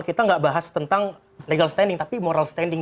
kita nggak bahas tentang legal standing tapi moral standing